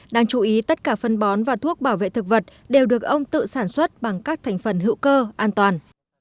đáng chú ý tất cả phân bón và thuốc bảo vệ thực vật đều được ông tự sản xuất bằng các thành phần hữu cơ an toàn